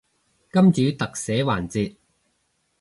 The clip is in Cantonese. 金主特寫環節